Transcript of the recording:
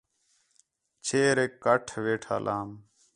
چھیریک کھٹ ویٹھالام